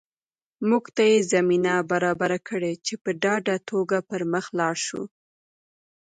موږ ته یې زمینه برابره کړې چې په ډاډه توګه پر مخ لاړ شو